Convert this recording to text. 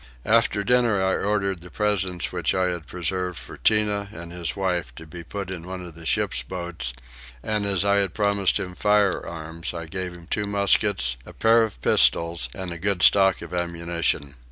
After dinner I ordered the presents which I had preserved for Tinah and his wife to be put in one of the ship's boats, and as I had promised him firearms I gave him two muskets, a pair of pistols, and a good stock of ammunition.